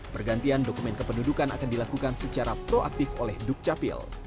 pergantian dokumen kependudukan akan dilakukan secara proaktif oleh dukcapil